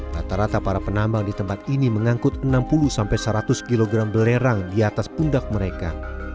rata rata para penambang di tempat ini mengangkut enam puluh seratus kg belerang di atas pundak mereka